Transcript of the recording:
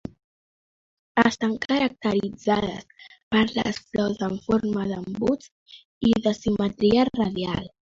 Estan caracteritzades per les flors amb forma d'embuts i de simetria radial.